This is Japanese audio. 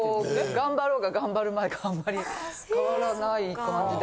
頑張ろうが頑張るまいがあんまり変わらない感じで。